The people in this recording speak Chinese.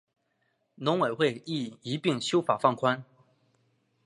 农委会亦一并修法放宽